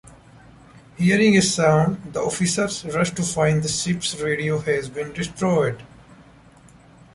Hearing a sound, the officers rush to find the ship's radio has been destroyed.